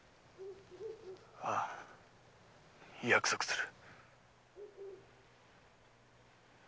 ああ約束する。